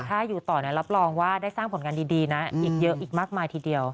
ถ้าอยู่ต่อรับรองว่าได้สร้างผลงานดีนะอีกเยอะอีกมากมายทีเดียว